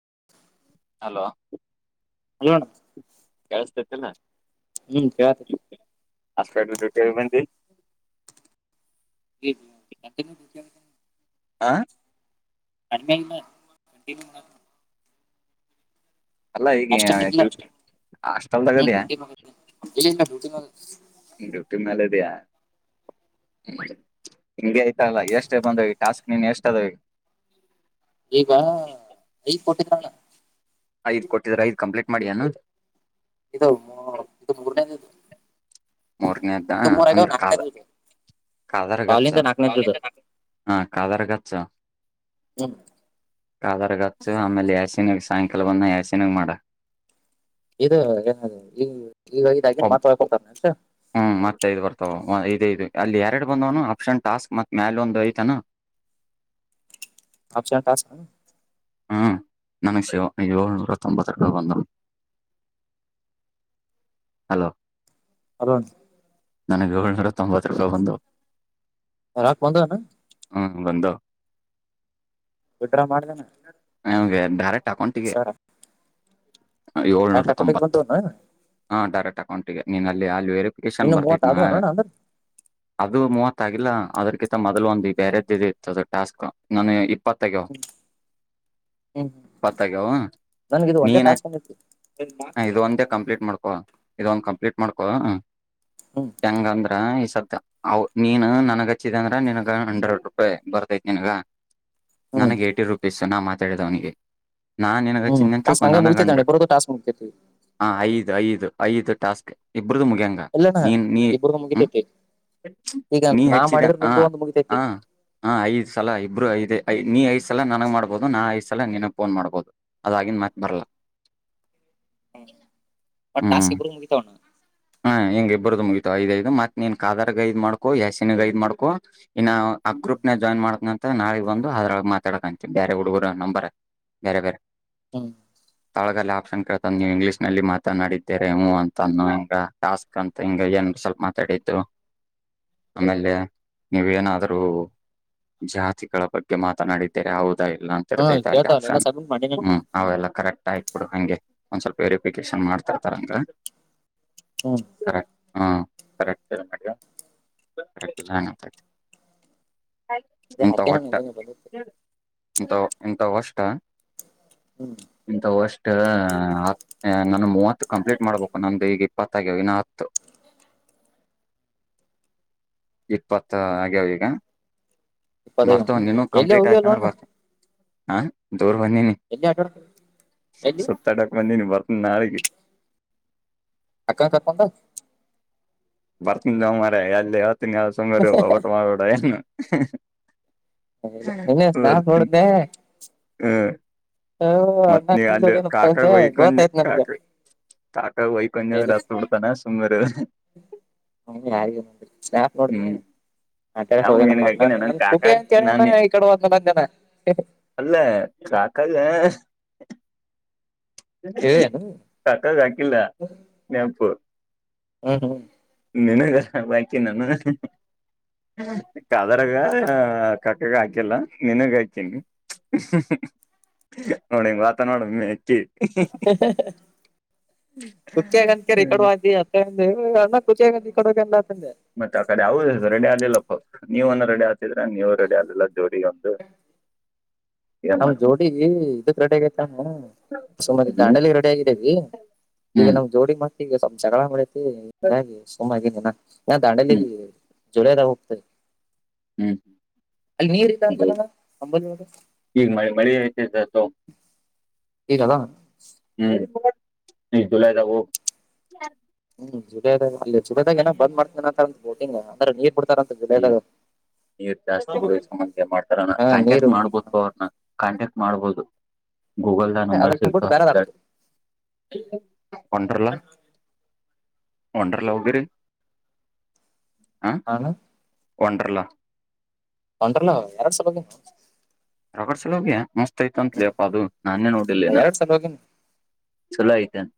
[inaudible] Hello ಅಲ್ಲಣ್ಣ ಚಲ್ಲ ಹ್ಮ್ ಯಾರ ಆಷ್ಟ ಕ ರಿಟಾಯರ್ಮೆಂಟ ಇ ಹಾ ಕಡಿಮ ಕಂಟನ್ ಅಲ್ಲ ಈಗ ಅಷ್ಟೊಂದ್ ಇಲ್ಲ ಡ್ಯಟಿ ಆಸ್ಟೆಲ್ದಾಗ ಹ್ಮ್ ಇದ್ಯಾ ಡ್ಯೂಟಿ ಮ್ಯಾಗ ಐತಿ. ಇಲ್ಲ ಇಲ್ಲ ಡ್ಯೂಟಿ ಮ್ಯಾಗ ಡ್ಯೂಟಿ ಮೇಲೆ ಇದ್ಯಾ ಹಿಂಗೆ ಆಯ್ತಲ್ಲ ಎಷ್ಟೇ ಬಂದ ಈ ಟಾಸ್ಕ್ ನಿನ್ ಎಷ್ಟ ಅದ ಈಗ ಐ ಕೊಟ್ಟಿದಣ ಐದ್ ಕೊಟ್ಟಿದ್ರ ಐದ್ ಕಂಪ್ಲೀಟ್ ಮಾಡಿ ಅನ ಇದು ಹ ಇದು ಮೂರನೇದ ಇದು ಮೂರನೇದ್ದ ಮೂರ್ ಆಗ್ಯಾವ ಅಂದ್ರೆ ಕಾಲ ನಾಲ್ಕನೇದು ಇದು ಕಾದಾರ್ ಗಚ್ಚು ಕಾಲಿಂದ ನಾಲ್ಕನೇದು ಇದು ಹಾ ಕಾದಾರ್ ಗಚ್ಚು ಹ್ಮ್ ಕಾದಾರ್ ಗಚ್ಚು ಆಮೇಲೆ ಎಸಿನ ಸಾಯಂಕಾಲ ಬಂದ ಯಸಿನಾಗ ಮಾಡ ಇದು ಏ ಈ ಈಗ ಇದಾಗಿನ ಒಬ್ ಮಾತಾಡ್ ಕೊಡ್ತಾರನೆ ಅ ಹ್ಮ್ ಮತ್ತೆ ಇದು ಬರ್ತಾವ ಇದ ಇದು ಅಲ್ಲಿ ಎರಡು ಬಂದವನು ಆಪ್ಷನ್ ಟಾಸ್ಕ್ ಮತ್ ಮ್ಯಾಲ ಒಂದು ಐತಾನ ಆಪ್ಷನ್ ಟಾಸ್ಕನು ಹ್ಮ್ ನನಗೆ ಶಿವ ಏಳ್ನೂರ ತೊಂಬತ್ತ ರೂಪ ಬಂದರು ಅಲೋ ಹಣ ನನಗೆ ಏಳ್ನೂರ ತೊಂಬತ್ತ ರುಪಾಯಿ ಬಂದವು ರೊಕ್ಕ ಬಂದವೇನು ಬಂದು ವಿಡ್ರಾ ಮಾಡ್ದೇನ ನಮ್ಗೆ ಡಾರೆಕ್ಟ್ ಅಕೌಂಟಿಗೆ ಡೈರೆಕ್ಟ್ ಏಳ್ನೂರ ಅಕೌಂಟಿಗೆ ತೊಂಬತ್ತು ಬಂದವ್ ಎನು ಹಾ ಡೈರೆಕ್ಟ್ ಅಕೌಂಟ್ಗೆ ನೀನಲ್ಲಿ ಅಲ್ಲಿ ವೆರಿಫಿಕೇಶನ್ ಇನ್ನು ಮೂವತ್ತು ಬರ್ತೈತಿ ಆದವನ ಅಣ್ಣ ಅಂದ್ರೆ ಅದು ಮೂವತ್ತ ಆ ಇಲ್ಲ ಅದ್ರಕಿಂತ ಮೊದಲು ಒಂದು ಬೇರೆದ್ದ ಇತ್ತದ ಟಾಸ್ಕ್ ನಾನ ಇಪ್ಪತ್ತು ಆಗ್ಯಾವ ಹ್ಮ್ ಇಪ್ಪತ್ತು ಆಗ್ಯಾವ ನನಗೆ ಇದು ನೀ ಒಂದೇ ಏನ್ ಟಾಸ್ಕ್ ಬಂದೈತಿ ಇದ್ ಒಂದೇ ಕಂಪ್ಲೀಟ್ ಇದ ಒಂದ ಕಂಪ್ಲೀಟ್ ಮಾಡ್ಕೊ ಹ್ಮ್ ಹೆಂಗ ಅಂದ್ರ ಸ ನೀನು ನನ್ಗ ಹಚ್ಚಿದ ಅಂದ್ರ ನನ್ಗ ಹಂಡ್ರೆಡ್ ರೂಪಾಯಿ ಬರ್ತೈತಿ ನನ್ಗ ಹ್ಮ್ ನನಗೆ ಏಟಿ ರುಪೀಸ್ ನಾ ಮತ್ತೆ ಕೇಳಿದವನಿಗೆ ಹ್ಮ್ ಆ ಸಂಘ ಮುಗಿತೈತಿ ಅಣ್ಣಾ ಇಬ್ಬರೂದು ಟಾಸ್ಕ್ ಮುಗಿತೈತಿ ಹ ಐದು ಐದು ಐದು ಟಾಸ್ಕ್ ಇಬ್ರದು ಮುಗಿಯಂಗ ಎಲ್ಲಣ್ಣ ನೀ ನೀ ಇಬ್ಬರದು ಹ್ಮ್ ಮುಗಿತೈತಿ ಈಗ ನೀ ನಾ ಹಚ್ಚದೆ ಮಾಡಿದ್ರ ಹ ನಿಂದು ಒಂದು ಮುಗಿತೈತಿ ಹ ಐದು ಸಲ ಇಬ್ರು ಐದೇ ನೀ ಐದು ಸಲ ನನಗ್ ಮಾಡಬಹದು ನಾ ಐದು ಸ್ ನಾ ನೀನಗ್ ಫೋನ್ ಮಾಡ್ಬೋದು ಅದಾಗಿನ್ ಮತ್ತೆ ಬರಲ್ಲ ಹ ಮಟಾಸ್ಕ ಇಬ್ರುವ್ ಮುಗಿತವಣ್ಣ ಹಿಂಗ ಇಬ್ಬರದು ಮುಗಿತಾವ ಐದು ಐದು ಮತ್ ನೀನ್ ಸಾಗರಕ ಐದ್ ಮಾಡ್ಕೋ ಯ್ಯಾಸೀನ್ಗ ಐದ್ ಮಾಡ್ಕೋ ಇನ್ನಾ ಆ ಗ್ರೂಪ್ ನಾಗ ಜಾಯ್ನ ಮಾಡ್ತೀನಂತ ನಾಳೆ ಬಂದು ಅದರಾಗ್ ಮಾತಾಡಕಂತಿ ಬೇರೆ ಹುಡುಗರು ನಂಬರ್ ಬೇರೆ ಬೇರೆ ಹ್ಮ ಒಳಗ ಅಲ್ಲಿ ಆಪ್ಷನ್ ಕೇಳತನ ನೀವು ಇಂಗ್ಲೀಷಿನಲ್ಲಿ ಮಾತನಾಡಿದ್ದೀರಿ ಊ ಅಂತ ಅನ್ನು ಟಾಸ್ಕ್ ಅಂತ ಹಿಂಗ ಏನ್ ಸ್ವಲ್ಪ ಮಾತಾಡಿದ್ದು ಆಮೇಲೆ ನೀವ ಏನಾದ್ರೂ ಜಾತಿಗಳ ಬಗ್ಗೆ ಮಾತನಾಡಿದ್ದೇರೆ ಹೌದು ಇಲ್ಲ ಅಂತ ಹಾ ಇರ್ತೈತೆ ಅಲ್ಲಿ ಕೇಳ್ತಾವಲ್ಲ ಎಲ್ಲ ಆಪ್ಷನ್ ಸಬ್ಮಿಟ್ ಮಾಡೀನಿ ಅಣ್ಣ. ಹ್ಮ ಅವೆಲ್ಲ ಕರೆಕ್ಟ್ ಆಯ್ತು ಕೊಡು ಹಂಗೆ ಒಂದ್ ಸ್ವಲ್ಪ ವೆರಿಫಿಕೇಶನ್ ಮಾಡ್ತರ್ತಾರಂಗ ಹ್ಮ್ ಕರೆಕ್ ಹೂ ಕರೆಕ್ಟ್ ಇರಬೇಕು ಅದೇ [inaudible] ಎಂತ ಹಾಕ್ಯಾನ ಒಟ್ಟ ನೀನು ಬಂದೈತಿ ಇಂತವ್ ಇಂತವ್ ವಷ್ಟ ಹ್ಮ್ ಇಂತವ್ ಅಷ್ಟ ನನುವ್ ಮೂವತ್ತ ಕಂಪ್ಲೀಟ್ ಮಾಡ್ಬೇಕು ನಮ್ದು ಈಗ ಇಪ್ಪತ್ತು ಆಗ್ಯಾವ ಇನಾ ಹತ್ತು ಇಪ್ಪತ್ತ ಆಗ್ಯಾವ ಈಗ ಇಪ್ಪತೈ ಬರ್ತಾವ ಹ ನೀನು ಎಲ್ಲಿಯ ಕಂಪ್ಲೀಟ್ ಹೋಗಿ ಆಯ್ತ ಅಲ್ ಅಂದ್ರೆ ಒ್ಣ ಬರ್ತ ಹಾ ಚೋರ್ ಬನ್ನಿ ನೀ ಎಲ್ಲಿ ಸತಟಕ ಬಂದಿ ನೀ ಬರ್ತ ನಾಲಿಗೆ ಅಕ್ಕನ ತಪ್ಪಂತ ಬರ್ತನ್ ಮರಯ ಅಲ್ಲಿ ನಾಸಂಗರ ಬಬಟ ಮಾಡರೋಡ ಹ [unintelligible] ನಾ ನೋಡ್ದೆ [inaudible] ಹ್ಮ ಹ ಮತ್ ನೀ ಅಣ್ಣ ಅಲ್ಲಿ ಕಾಕಾಗ ಹೋಗನೆ ಒಯ್ಕೊಂಡ್ ಗೊತ್ತಾಯ್ತ್ ನನ್ಗೆ ಕಾಕ ಕಾಕಾಗ ಒಯ್ಕೊಂಡ್ ಯ ಅಂದ್ರೆ ಹತ್ ಬಿಡ್ತಾನ ಸುಮ್ನಿರು ನೋ ಯಾಕ ನೋಡ ಹ್ಮ್ ಆ ಕೆಡೆ ಯಾವ ಹೋಗೇನಪ್ಪ ನಿನಗ ಹಾಕಿನ ಅಣ್ಣ ನನ್ ನ ಖ ಕಾಕಾ ನಾನ ಈ ಕಡೆ ಹದನಂದನ [inaudible] ಕಲ್ಲ ಹ ಹೇಳಿ ಅಣ್ಣ [inaudible] ಕಕ್ಕ ಆಕಿಲ್ಲ ನಪ್ಪು ಹ್ಮ್ ಹ್ಮ್ ನಿಂಗ ಹಾಕೀನಿ ನಾನು ಕಾದರಗ ಕಕ್ಕಾಗ ಹಾಕಿಲ್ಲ ನಿನಗ ಹಾಕನಿ ನೋಡಣ ಇವಂಗ್ ವಾತ ನೋಡು ಇನ್ನು ಹೆಚ್ಚಿ [unintelligible] [unintelligible] ಮತ್ತೆ ಅ ಕಡೆ ಯಾವದೂ ರೆಡಿ ಆಗಿಲ್ಲಯಪ್ಪ ನೀವನ್ನಾ ರೆಡಿ ಆಗ್ತ ನೀವು ರೆಡಿ ಆಗಲಿಲ್ಲ ಜೋಡಿ ಒಂದ ನಮ ಜೋಡಿ ಇದಕ್ ರೆಡಿ ಆಗೈತಾನ ಸುಮತ್ ಮಾಡ ದಾಂಡೇಲಿಗೆ ರೆಡಿ ಆಗಿದೀವಿ ಈಗ ಹ್ಮ್ ನಮ್ ಜೋಡಿ ಮತ್ತ ಈಗ ಸ್ವಲ್ಪ ಜಗಳ ಮಾಡೈತಿ ಅದಕೆ ಹಿಂಗಾಗಿ ಸುಮ್ಮಗಿನಿನ ನಾ ಹ್ಮ್ ದಾಂಡೇಲಿಗಿ ಜುಲೈ ದಾಗ ಹೋಗ್ತೇವೆ ಹ್ಮ್ ಹ ಅಂಬಲಿ ಒಳಗ ಈಗ ಮಳಿ ಮಳಿ ಐತಿ ಸತ್ತ ಹೋಗ್ ಈಗ ಅದಾವ. ಹ್ಮ್ ನಿ ಜುಲೈದಾಗ ಹೋಗ. ಹೂ ಜುಲೈದಾಗ ಅಲ್ಲಿ ಸುಕಾದಂಗ್ ಏನೊ ಬಂದ್ ಮಾಡ್ತನ? ತಂತ್ ಗೊತ್ತಿಲ್ಲ ಅಂದ್ರ ನೀರ್ ಬಿಡ್ ಏನ್, ನೀರ್ ಜಾಸ್ತಿ [unintelligible] ಮಾಡ್ತಾರಣ ಹಾ ಕಾಂಟ್ಯಾಕ್ಟ್ ನೀರು ಮಾಡ್ಬೋದು ಅವ್ರನ್ನ, ಕಾಂಟ್ಯಾಕ್ಟ್ ಮಾಡ್ಬೋದು. ಗೂಗಲ್ ನಾಗ್ ನಂಬರ್ ಬಿಟ್ಟು ಸಿಗ್ತಾವ್ ಬೇರೆ ದಾಟದು [unintelligible] ವಂಡರ್ಲಾ. ವಂಡರ್ಲಾ ಹೋಗಿರಿ? ಹಾ ಆನ. ವಂಡರ್ಲಾ. ವಂಡರ್ಲಾ, ಎರಡ್ ಸಲ ಓಗಿನೋ [unintelligible] ಸಲ ಹೋಗಿಯಾ ಮಸ್ [unintelligible] ಕಂತ್ಲೇಯಪ್ಪಾ ಅದು. ನಾನೆ ನೋಡಿಲ್ಲ ಇನ್ನ. ಎರಡ್ ಸಲ ಹೋಗಿನಿ ಚಲೋ ಐತೇನ್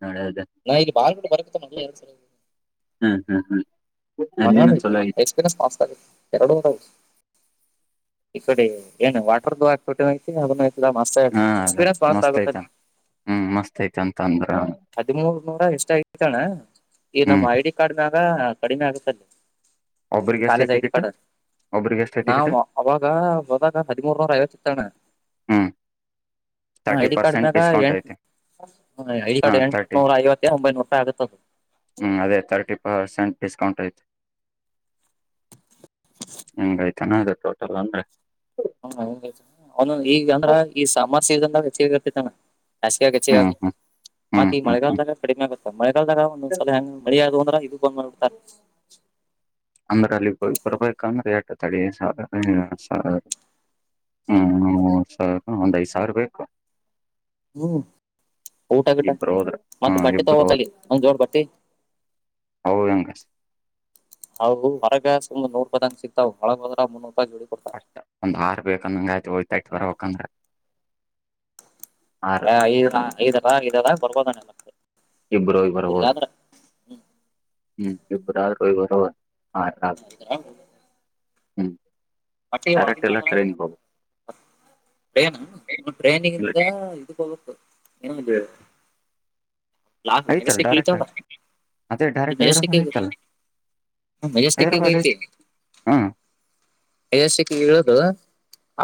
ನಾ ಈಗೆ ಬಾಗ್ಲ್ ಕೋಟೆ ಬರಕಿಂತ ಮೊದ್ಲ್ಲೇ ಎರ್ಡ್ ಸಲ ಹ್ಮ್ ಹ್ಮ್ ಹ್ಮ್. ಅಲ್ಲಿನು ಚಲೋ [unintelligible] ಐತಿ ಎಕ್ಸ್ಪಿರಿನ್ಸ್ ಪಾಸ್ತಾಗೈತ್ ಎರಡೂವರ್ ಇ ಕಡೆ ಏನು ವಾಟರ್ದು ಆಕ್ಬುಟಿರಂಗ್ ಐತಿ ಅದನ ಹಾ ಅದ್ ಮಸ್ತ್ ಅಯ್ತ, ಹ್ಮು ಮಸ್ತ್ ಅಯ್ತ್ ಅಂತ್ ಅಂದ್ರ ಹದಿಮೂರ್ ನೂರ ಎಷ್ಟ್ ಆಗೈತಣ್ಣ ಈ ನಮ್ಮ್ ಹ್ಮ್ ಐಡಿ ಕಾರ್ಡ್ನಾಗ ಹಾ ಕಡಿಮೆ ಆಗುತ್ ಅಲ್ಲಿ. ಒಬ್ರಿಗೆ ಎಷ್ಟೇ ಕಾಲೇಜ್ ಐಡಿ ಟಿಕೆಟ್ ಕಾರ್ಡ, ಒಬ್ರಿಗೆ ಎಷ್ಟೇ ಟಿಕೆಟ್ ನಾವ್ ಅವಾಗ ಅವಾಗ ಹದಿಮೂರ್ನೂರ ಐವತ್ ಇತ್ ಅಣ್ಣಾ. ಹ್ಮ್ ಹ ತರ್ಟಿ ಐಡಿ ಪರ್ಸೆಂಟ್ ಕಾರ್ಡ್ನಾಗ್ ಡಿಸ್ಕೌಂಟ್ ಎಂಟ್ ಐತಿ [unintelligible] ಐಡಿ ಹಾ ಕಾರ್ಡ್ ತರ್ಟಿ ಎಂಟ್ನೂರ ಐವತ್ [unintelligible] ಒಂಬೈನೂರುಪಾಯ್ ಆಗತ್ ಅದು. ಹ್ಮ್ ಅದೇ ತರ್ಟಿ ಪರ್ಸೆಂಟ್ ಡಿಸ್ಕೌಂಟ್ ಐತೆ, ಹಂಗಯ್ತನಾ ಅದ್ರ್ ಟೋಟಲ್ ಅಂದ್ರೆ. [unintelligible] ಅವ್ನು ಈಗಂದ್ರ ಈ ಸಮ ಸಿಗ [unintelligible] ಸಿಗಂತಿತ್ ಅಣ್ಣಾ. ಹಾಸ್ಗ್ಯಾಗ್ ಹೆಚ್ಚಿಗ್ ಹ್ಮ್ ಆಗುತ್ತ ಹ್ಮ್ ಹ್ಮ್ ಮತ್ ಈ ಹ್ಮ್ ಹ್ಮ್ ಮಳೆಗಾಲದಾಗ ಕಡಿಮೆ ಆಗುತ್ತ ಮಳೆಗಾಲದಾಗ ಒಂದೊಂದ್ಸಲ ಹೆಂಗ್ ಮಳಿಯಾದುವ್ ಅಂದ್ರೆ ಇದು ಬಂದ್ ಮಾಡ್ಬುಡ್ತಾರೆ. ಅಂದ್ರೆ ಅಲ್ಲಿಗ್ ಬರ್ ಬರ್ಬೇಕಂದ್ರೆ [unintelligible] [unintelligible] ಹ್ಮ ಮೂರ್ ಸಾವ್ರ ಒಂದ್ ಐದ್ ಸಾವ್ರ ಬೇಕು. ಹ್ಮ್. ಊಟ ಗೀಟಾ, ಇಬ್ರು ಹೋದ್ರ ಮತ್ ಹ್ಮ್ ಬಟ್ಟೆ ಇಬ್ರು ಹೋದ್ರ ತಗೋಬೇಕಲ್ಲಿ ಒಂದ್ ಜೋಡ್ ಬಟ್ಟಿ ಅವು ಹೆಂಗ ಅವು ಹೊರಗ ಸುಮರ್ ನೂರ್ ರುಪಾಯ್ದಂಗ್ ಸಿಗ್ತಾವು ಒಳಗ್ ಓದ್ರ ಮುನ್ನೂರ್ ರೂಪಾಯಿ ಜೋಡಿ ಕೊಡ್ತಾರ ಅಷ್ಟ, ಒಂದ್ ಆರ್ ಬೇಕಂದಂಗ್ ಆಯ್ತ್ [unintelligible] ವಕ್ಅಂದ್ರ ಆ ಈಗ್ನಾ ಇದಲ್ಲ ಇದಾಗ ಬರ್ಬೋದ ನೆ [inaudible] ಇಬ್ರೋಗಿ ಬರ್ಬೋದು. ಹ್ಮ್ ಇಬ್ರಾದ್ರ್ ಓಯಿಗ್ ಬರಬೋದ್. ಹಾ ಸಾಕ್ ಹ್ಮ್. [unintelligible] ಡೈರೆಕ್ಟ್ ಒಳಗಿಂದ ಎಲ್ಲ ಅಂದ್ರೆ, ಟ್ರೈನ್ಗೆ ಹೋಗ್ಬೇಕು ಟ್ರೈನಾ, ಉ ಇಲ್ಲ ಟ್ರೈನಿಗಿಂತ ಇದಕ್ ಹೋಗ್ಬೇಕು, ಏನೋ ಅಂದೆ? ಐತಲ್ಲ ಡೈರೆಕ್ಟ್ ಇಳಿತಾವಲ್ಲ ಆಗ್, ಅದೇ ಈ ಡೈರೆಕ್ಟ್ ಮೆಜೆಸ್ಟಿಕ್ ಹೈದ್ರಾಬಾದ್ ಐತಿ ಐತಲ್ಲ, ಮೆಜೆಸ್ಟಿಕ್ ಹೈದ್ರಾಬಾದ್ ಐತಿ ಐತ್, ಹ್ಮು. ಮೆಜೆಸ್ಟಿಕ್ಗ್ ಇರದು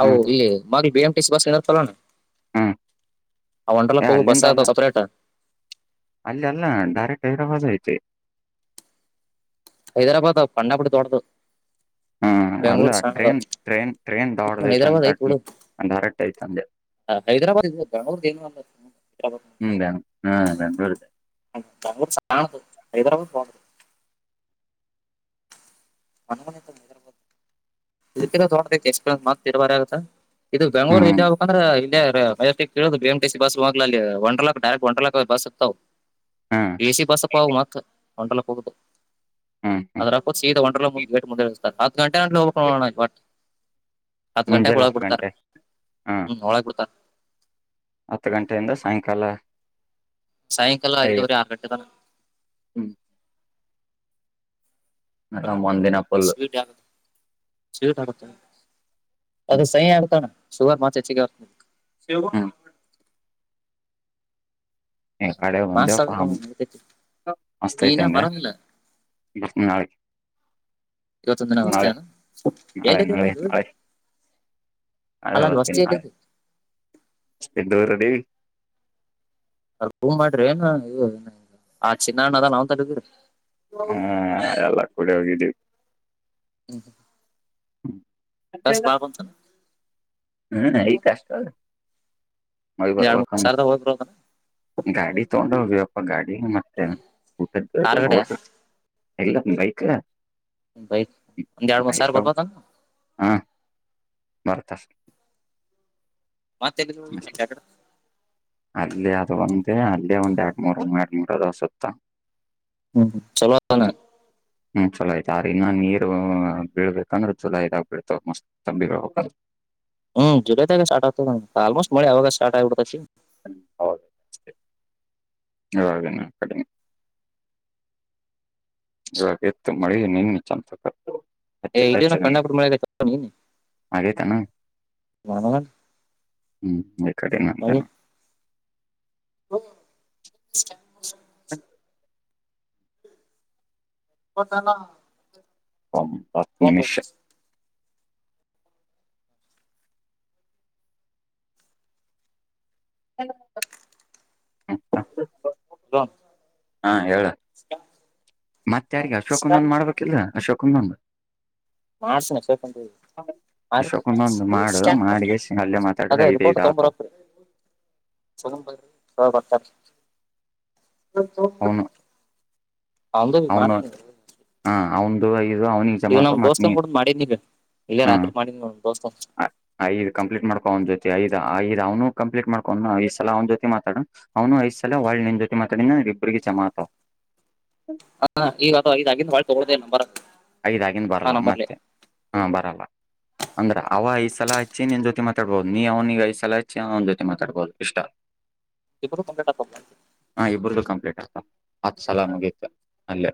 ಅವು ಇಲ್ಲಿ ಮಾಗಳ್ ಬಿಎಂಮ್ ಟಿಸಿ ಬಸ್ ಇನ್ನು ಇರುತಲ್ವಣ್ಣ? ಹ್ಮ ಏ ಬಸ್ ಅಲ್ಲಿಂದ ಅಲ್ಲ ಅದಾವ ಸಪರೇಟ್ ಅಲ್ಲಿ ಅಲ್ಲ ಡೈರೆಕ್ಟ್ ಹೈದ್ರಾಬಾದ್ ಐತಿ. ಹೈದರಾಬಾದ [unintelligible] ದೋಡ್ದು. ಹ ಅಲ್ಲ ಬೆಂಗಳೂರ್ ಸಣ್ಣದು ಟ್ರೈನ್ ಟ್ರೈನ್ ಟ್ರೈನ್ ನೀ ದೊಡ್ಡದೈತ ಹೈದ್ರಾಬಾದ್ ಅಂತ ಐತ್ಬಿಡು ಡೈರೆಕ್ಟ್ ಐತ ಅಂದೆ ಹೈದ್ರಾಬಾದ್ [unintelligible] ಹ್ಮ್ ಹಾ ಬೆಂಗಳೂರು ಬೆಂಗಳೂರ ಸಣ್ಣದು ಹೈದ್ರಾಬಾದ್ ದೊಡ್ ಮೊನ್ ಮೊನ್ನೆ [unintelligible] ಇದಕ್ಕೆರ ತಗೋಬೇಕ [unintelligible] ಮತ್ ಇರಬಾರ ಆಗತ್ತ. ಇದು ಬೆಂಗ್ಗಳೂರ್ ಇಲ್ಲಿ ಹ್ಮ್ ಹಬೇಕ ಅಂದ್ರೆ ಇಲ್ಲೇ ಕೇಳುದು B M T C bus ಹೋಗ್ಲ ಅ ಒ ಲಾಕ್ಡರೆಕ್ಟ್ ಒರ್ ಲಾಕ್ ಬಸ್ ಇತ್ತತವು ಹ್ಮ್ ಏ ಸಿ ಬಸ್ ಪಾ ಅವ ಮತ್ತ ವಂಡರ್ಲಕ್ ಹೋಗ್ಬೇಕು ಹ್ಮ್ ಹ್ಮ್ ಅದ್ರಪ್ಪ ಸೀದ ವಂದ್ರಲ್ಲ ಮುು ಮುಂದೆ [inaudible] ಹತ್ ಗಂಟೆ ಅ ಹೂ [inaudible] ಹತ್ತು ಗಂಟೆಗೆ ಮುಂಜೆಲಿ ಒಳಗ್ ಬಿಡ್ತಾರ ಗಂಟೆ ಹಾ ಹ್ಮ್ ಒಳಗ್ ಬಿಡ್ತಾರ ಹತ್ತು ಗಂಟೆಯಿಂದ ಸಾಯಂಕಾಲ ಸಾಯಂಕಾಲ ಐದೂವರೆ ಆರು ಗಂಟೆ ತನ ಆರಾಮ್ ಒಂದಿನ ಫುಲ್ ಸತಗುತ್ತ [inaudible] ಅದು ಸಯ ಅಡ್ತಾನ ಶುಗರ್ ಮಾತ್ ಹೆಚ್ಚಿಗೆ ಆಯಿತು ಸೇವ ಹ್ಮ್ ಕಾಳೆ ಮಾಸ್ ಬಂದೆವಪ್ಪ ಆಗುತ್ತೆ ಮಸ್ತ್ ಐತೆ ನೀನೇ ಅಂದೆ ಬರಂಗಿಲ್ಲ ನಾಳೆ ಇವತ್ತೊಂದಿನ ಅಷ್ಟೇ ನಾಳೆ ನಾಳೆ ಎಲ್ಲಿದೆ ನಾಳೆ ಅಲ್ಲ ನಾಳೆ ನಾಳೆ ಅಲ್ಲಿ ಬರ್ತೀನಿ ವಸ್ತಿಯಲ್ಲಿ ನಾಳೆ ದೂರಡಿ ಅ್ರ ಭೂ ಮಾಡ್ರಿ ಏನಏ ಆ ಚಿನ್ನಣ್ಣ ಅದ ನಾವನ್ ತಡಿದ್ರಿ ಹ್ಮ ಅಲ್ಲ ಕುೂಡ ಹೋಗಿದ್ದ ದಸ್ ಬಾರಂದು ಚಲ್ಲ ಹ್ಮ್ ಈ ಕಷ್ಟ ಅ ಮ ಒಂದ್ ಬರಬ ಎರಡ್ ಮೂರ್ ಕ ಸಾವಿರದ ಹೋಗ್ಬಿರು ಅದನ್ನ ಗಾಡಿ ತಂಡ [inaudible] ಬಾಗಾಡಿ ಈ ಮತ್ತೆ ಊಟದ್ದ ಕಾರ್ ಗಡೆ ಹದು ಹಲ್ಲ ಬೈಕ್ ಬೈಕ್ ಒಂದ್ ಎರಡ್ ಮೂಂದ ಸಾವಿರ ಬೈಕ್ ಬರ್ಬದ ಬರ್ತದೆ ಮತ್ ಯದುಕ್ [inaudible] ಅಲ್ಲಿ ಅದು ಒಂದೇ ಅಲ್ಲೇ ಒಂದ್ ಎರಡ್ ಮೂರೂ ಎರಡು ಮೂರು ಅದು ಸುತ್ತ ಹ್ಮ್ ಚಲೋದಾನೆ ಹ್ಮ್ ಚಲೋ ಆಯ್ತ ಆ್ರ ಇನ್ನನ್ ನೀರು ಬೀಳ್ಬೇಕಂದ್ರೆ ಚೊಲೋ ಇದಾಗ ಬಿಳ್ತಾವ ಮಸ್ತ್ ಬೀಳ ಹೋಗ ಹ್ಮ್ ಜುಲೈ ತಾಗ ಸ್ಟ್ತ ಆಲ್ಮೋಸ್ಟ್ ಮಳ ಅ ಅವಾಗಸ್ ಸ್ಟ್ ಹತ್ತಾಕಿ ಹೌದು ಹೌದೇನಾ ಆ ಕಡಿ ಜೋರಿತ್ತು ಮಳಿ ನಿನ್ನೆ [unintelligible] ಏಯ್ ಇಲ್ಲೇ ಕಣ್ಣ್ [unintelligible] ಮನೆ ಇದೆ ಆಗೇತಾನ ಹ್ಮ್ ಈ ಕಡೆ ನಂದೇನ [unintelligible] [unintelligible] [inaudible] ಕೋಡ್ತಾನ ಒಂಬತ್ ಮಿನಿಷ [unintelligible] [unintelligible] ಹಾ ಹೇಳ [unintelligible] ಮತ್ ಯಾರಿಗೆ ಅಶೋಕಗೊಂದ್ ಮಾಡ್ಬೇಕಿಲ್ಲ ಅಶೋಕ್ ಕನ್ನೊಂದು ಮಾಸನ್ ಎಫೆಕ್ಟ್ ಅಂತೆಳ್ತೀವಿ ಅಶೋಕನ ಒಂದು ಮಾಡು ಮಾಡಿಗೆಸಿ ಅಲ್ಲೇ ಮಾತಾಡ್ರೆ ಅದೆ ಅದು ಐದ್ ಫೋಟೋ ಐದ್ ಆತವ್ ತೊಗಂಬರ್ಬೇಕ್ರಿ. ಅ ವರ್ಟಾಪ್. ನಾನ್ ತೊಪ. ಅವನು ಹಂಗುಲ್ ಮಾಡ್ತ್ಯಲ್ರಿ. ಅವ್ನ್ದು ಆಗ್ಯ ಈಗ ನಮ್ ದೋಸ್ತನ್ ಕೂಡ ಮಾಡಿನ್ ಇಗ ಇಗ ರಾತ್ರಿ ಮಾಡಿನ್ ನೋಡ್. ಅ ಐದ್ ಕಂಪ್ಲೀಟ್ ಮಾಡ್ಕೋ ಒಂಜೊತಿ ಐದ್ ಐ ಅವ್ನು ಕಂಪ್ಲೀಟ್ ಮಾಡ್ಕೊಂಡ ಐದ್ ಸಲ ಅವ್ನ್ ಜೊತಿ ಮಾತಾಡ ಅವ್ನು ಐದ್ ಸಲ ಒಳ್ ನಿನ್ ಜೊತೆ ಮಾತಾಡಿನ ರಿಬ್ರಿಗೆ ಜಮಾತ. ಹ ಈಗ ಅದು ಐದ್ ಆಗಿದ್ ವಳ್ ತೋಡ್ದೆ ನಂಬರ. ಐದಾಗಿಂದ್ ಬರಲ್ಲ ಮತ್ತೆ ಹಾ ಬರಲ್ಲ. ಅಂದ್ರ ಅವ ಐದ್ ಸಲ ಹಚ್ಚಿ ನಿನ್ ಜೊತಿ ಮಾತಾಡ್ಬೊದ್ ನೀ ಅವ್ನಿಗೆ ಐದ್ ಸಲ ಹಚ್ಚಿ ಅವ್ನ್ ಜೊತಿ ಮಾತಾಡ್ಬೊದ್ ಇಷ್ಟ. ಇಬ್ರು ಕಂಪ್ಲೀಟ್ ಆತ ಹಾ ಇಬ್ರುದು ಕಂಪ್ಲಿಟ್ ಆತ ಅತ್ ಸಲ ಮುಗೀತ. ಅಲ್ಲೆ.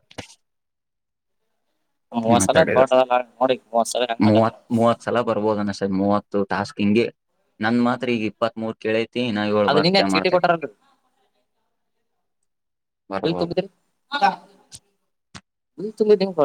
ಒನ್ ಮೂವತ್ ಸಲ [unintelligible] ನೋಡಿ ಮೂವತ್ ಸಲ ಹೆಂಗ್ ಮೂವತ್ ಮಾತಾಡ್ತನ. ಮೂವತ್ ಸಲ ಬರ್ಬೋದ ಅನಸದ ಮೂವತ್ತು ಟಾಸ್ಕ್ ಹಿಂಗೆ ನನ್ ಮಾತ್ರ ಈಗ್ ಇಪ್ಪತ್ ಮೂರ್ ಕೇಳೖ ಅದು ನಿಂಗ ಚೀಟಿ ಕೊಟಾರಲ್. ಬಿಲ್ ಬರ್ಬೋದು. ತುಂಬಿದ್ರಿ. ಬಿಲ್ ತುಂಬಿ ನಿಮ್ ಹೊ